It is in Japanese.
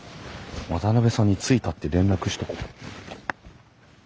渡さんに着いたって連絡しとこ。